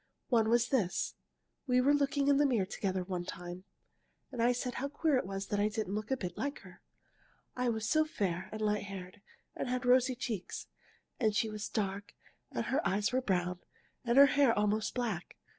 One was this. We were looking in the mirror together one time, and I said how queer it was that I didn't look a bit like her. I was so fair and light haired, and had rosy cheeks, and she was dark and her eyes were brown and her hair almost black.